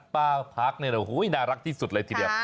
ป้าพักเนี่ยน่ารักที่สุดเลยทีเดียว